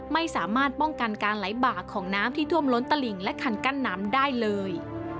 ไม่สามารถป้องกันการไหลบ่าของน้ำที่ท่วมล้นตลิ่งและคันกั้นน้ำได้เลย